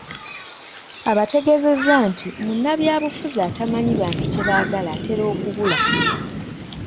Abategeezezza nti munnabyabufuzi atamanyi bantu kye baagala atera okubula .